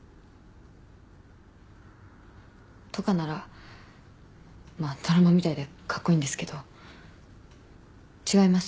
とかならまあドラマみたいでかっこいいんですけど違います。